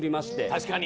確かに。